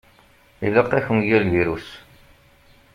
Ilaq-ak umgal-virus.